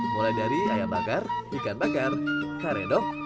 mulai dari ayam bakar ikan bakar kare dok